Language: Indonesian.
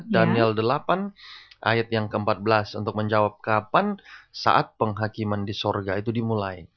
daniel delapan ayat yang ke empat belas untuk menjawab kapan saat penghakiman di surga itu dimulai